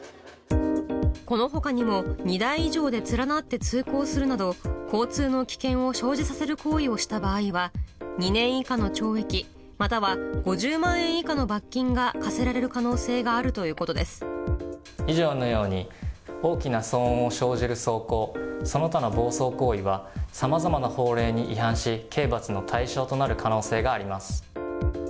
このほかにも、２台以上で連なって通行するなど、交通の危険を生じさせる行為をした場合は、２年以下の懲役、または５０万円以下の罰金が科せられる可能性があるということで以上のように、大きな騒音を生じる走行、その他の暴走行為は、さまざまな法令に違反し、刑罰の対象となる可能性があります。